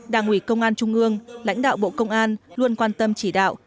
đảng ủy công an trung ương lãnh đạo bộ công an luôn quan tâm chỉ đạo